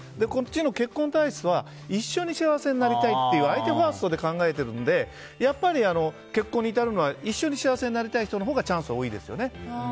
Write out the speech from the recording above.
結婚体質は一緒に幸せになりたいっていう相手ファーストで考えているので結婚に至るのは一緒に幸せになりたい人のほうがチャンスは多いですよね。